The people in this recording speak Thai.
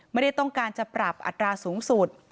ไม่ได้ต้องการจะปรับอัตราสูงสุด